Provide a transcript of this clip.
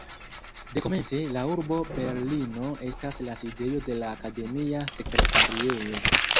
Dekomence la urbo Berlino estas la sidejo de la akademia sekretariejo.